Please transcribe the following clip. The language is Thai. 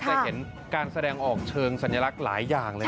จะเห็นการแสดงออกเชิงสัญลักษณ์หลายอย่างเลย